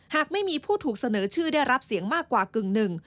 หากไม่มีผู้ถูกเสนอชื่อได้รับเสียงมากกว่ากึ่งหนึ่ง